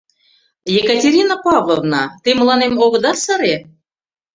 Екатерина Павловна, те мыланем огыда сыре?